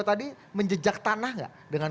tadi menjejak tanah nggak dengan